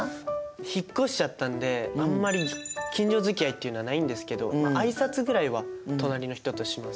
引っ越しちゃったんであんまり近所付き合いっていうのはないんですけど挨拶ぐらいは隣の人とします。